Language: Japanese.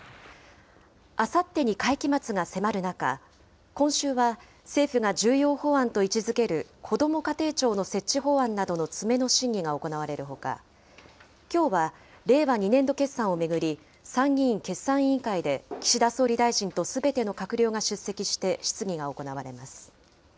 あさってに会期末が迫る中、今週は政府が重要法案と位置づける、こども家庭庁の設置法案などの詰めの審議が行われるほか、きょうは令和２年度決算を巡り、参議院決算委員会で、岸田総理大臣とすべての閣僚が出席して質疑が行われます。